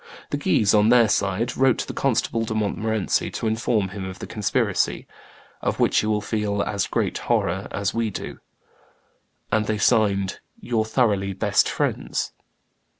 The Guises, on their side, wrote to the Constable de Montmorency to inform him of the conspiracy, "of which you will feel as great horror as we do," and they signed, Your thoroughly best friends.